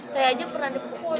saya aja pernah dipukul